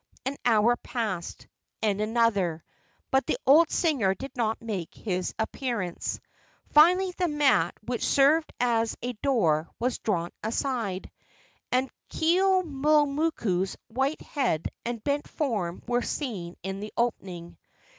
An hour passed, and another, but the old singer did not make his appearance. Finally the mat which served as a door was drawn aside, and Keaulumoku's white head and bent form were seen in the opening.